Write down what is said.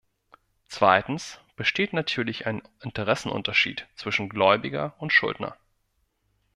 Zweitens besteht natürlich ein Interessenunterschied zwischen Gläubiger und Schuldner.